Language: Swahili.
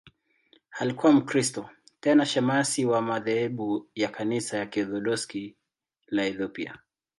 Alikuwa Mkristo, tena shemasi wa madhehebu ya Kanisa la Kiorthodoksi la Ethiopia.